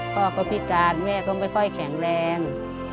พ่อก็พิการแม่ก็ไม่ค่อยแข็งแรง